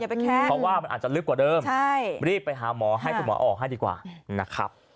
เพราะว่ามันอาจจะลึกกว่าเดิมรีบไปหาหมอให้คุณหมอออกให้ดีกว่านะครับ